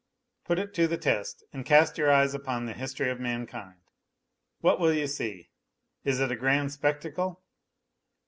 Put it to the test and cast your eyes upon the history of mankind. What will you see ? Is it a grand spectacle